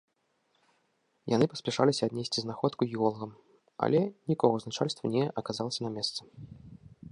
Яны паспяшаліся аднесці знаходку геолагам, але нікога з начальства не аказалася на месцы.